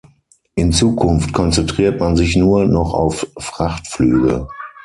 In Zukunft konzentriert man sich nur noch auf Frachtflüge.